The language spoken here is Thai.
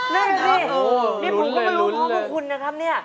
นี่ผมก็ไม่รู้ว่าพวกคุณนะครับเนี่ย